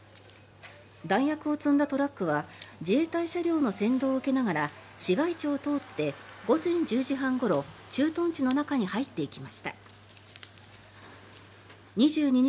弾薬を積んだトラックは自衛隊車両の先導を受けながら市街地を通って午前１０時半ごろ駐屯地の中に入っていきました。